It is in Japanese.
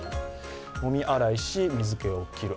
もみ洗いし、水気を切る。